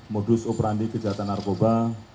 modus operandi kejahatan narkoba